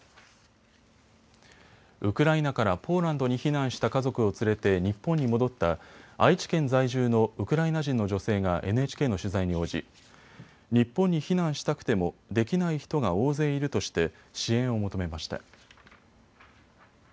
ウクライナからポーランドに避難した家族を連れて日本に戻った愛知県在住のウクライナ人の女性がＮＨＫの取材に応じ日本に避難したくてもできない人が大勢いるとして支援を求めました。